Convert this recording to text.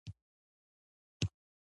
نیکه د روژې ارزښت بیانوي.